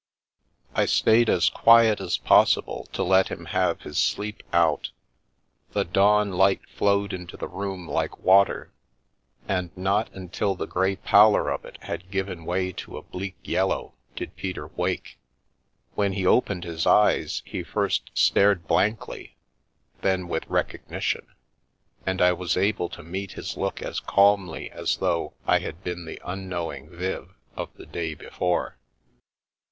I stayed as quiet as possible to let him have his sleep out ; the dawn light flowed into the room like water, and not until the grey pallor of it had given way to a bleak yellow did Peter wake. When he opened his eyes he first stared blankly, then with recognition, and I was able to meet his look as calmly as though I had been the unknowing Viv of the day before.